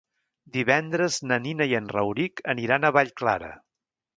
Divendres na Nina i en Rauric aniran a Vallclara.